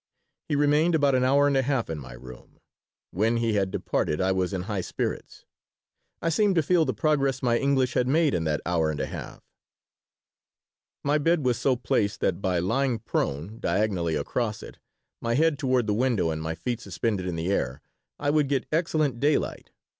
He remained about an hour and a half in my room. When he had departed I was in high spirits. I seemed to feel the progress my English had made in that hour and a half My bed was so placed that by lying prone, diagonally across it, my head toward the window and my feet suspended in the air, I would get excellent daylight.